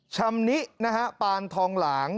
ชำนิปานทองหลัง